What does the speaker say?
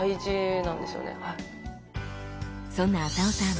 そんな浅尾さん